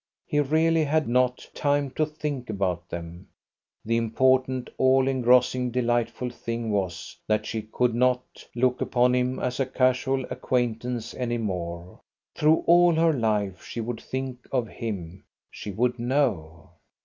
He really had not time to think about them. The important, all engrossing, delightful thing was that she could not look upon him as a casual acquaintance any more. Through all her life she would think of him she would know.